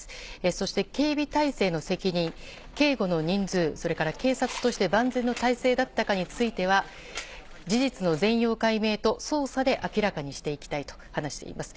そして、警備体制の責任、警護の人数、それから警察として万全の体制だったかについては、事実の全容解明と捜査で明らかにしていきたいと話しています。